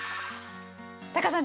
タカさん